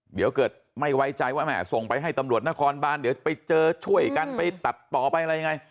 เดี๋ยวเกิดไม่ไว้ใจว่าแห่ส่งไปให้ตำรวจนครบานเดี๋ยวไปเจอช่วยกันไปตัดต่อไปอะไรยังไง